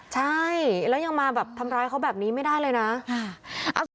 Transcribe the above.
ใช่แล้วยังมาแบบทำร้ายเขาแบบนี้ไม่ได้เลยนะ